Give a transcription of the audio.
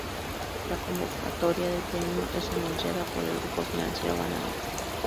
La convocatoria del Premio es anunciada por el Grupo Financiero Banamex.